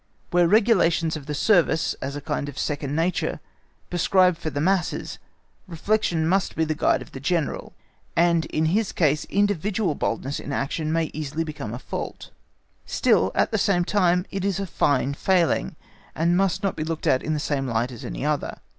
Where regulations of the service, as a kind of second nature, prescribe for the masses, reflection must be the guide of the General, and in his case individual boldness in action may easily become a fault. Still, at the same time, it is a fine failing, and must not be looked at in the same light as any other.